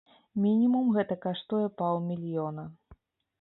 Мінімум гэта каштуе паўмільёна.